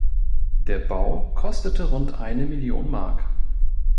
Der Bau kostete rund eine Million Mark.